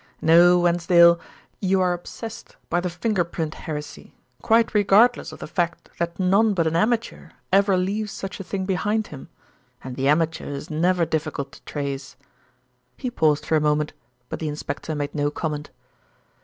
"No, Wensdale, you are obsessed by the finger print heresy, quite regardless of the fact that none but an amateur ever leaves such a thing behind him, and the amateur is never difficult to trace." He paused for a moment; but the inspector made no comment.